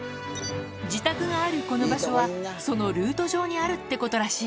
自宅があるこの場所は、そのルート上にあるってことらしい。